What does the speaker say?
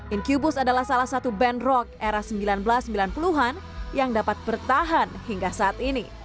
incubus adalah salah satu band rock era seribu sembilan ratus sembilan puluh an yang dapat bertahan hingga saat ini